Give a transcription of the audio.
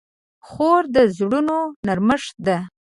خور د زړونو نرمښت ده.